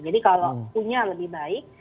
jadi kalau punya lebih baik